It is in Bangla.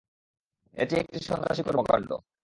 এটি একটি সন্ত্রাসী কর্মকাণ্ড।